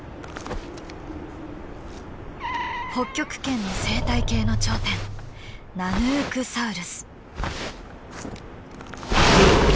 北極圏の生態系の頂点ナヌークサウルス。